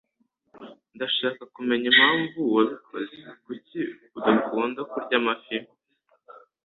Ndashaka kumenya impamvu wabikoze. Kuki adakunda kurya amafi?